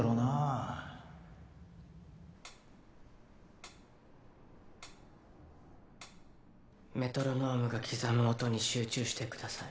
カンカンカンメトロノームが刻む音に集中してください。